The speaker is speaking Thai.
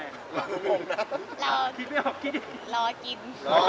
เรากิน